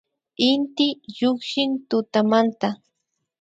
Inti llukshin tutamanta